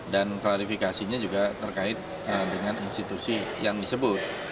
dan klarifikasinya juga terkait dengan institusi yang disebut